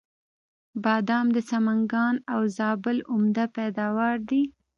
بادام د سمنګان او زابل عمده پیداوار دی.